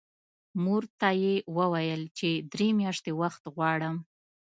مور ته یې وویل چې درې میاشتې وخت غواړم